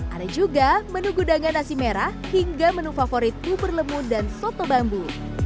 ada juga menu gudangan nasi merah hingga menu favorit bubur lemu dan soto bambu